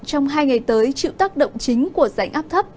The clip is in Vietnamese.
trong hai ngày tới chịu tác động chính của rãnh áp thấp